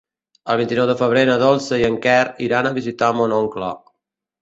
El vint-i-nou de febrer na Dolça i en Quer iran a visitar mon oncle.